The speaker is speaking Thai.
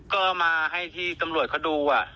ก็เอามาให้ที่ตำรวจเขาดู